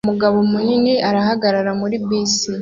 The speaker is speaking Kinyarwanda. umugabo munini arahagarara muri bisi